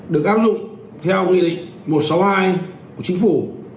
được áp dụng theo nghị định một trăm sáu mươi hai của chính phủ